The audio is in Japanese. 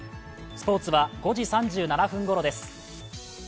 スポーツは５時３７分ごろです。